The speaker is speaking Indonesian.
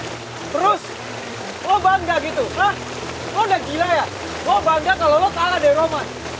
terus lo bangga gitu hah lo udah gila ya lo bangga kalo lo kalah dari roman